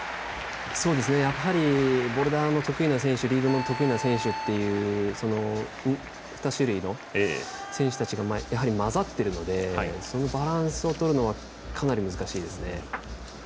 やはりボルダー得意な選手リードが得意な選手２種類の選手たちがやはりまざっているのでそのバランスをとるのはかなり難しいですね。